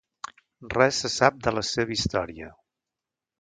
Res se sap de la seva història.